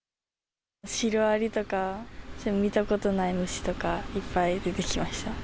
シロアリとか、見たことない虫とかいっぱい出てきました。